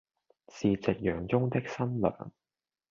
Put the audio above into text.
是夕陽中的新娘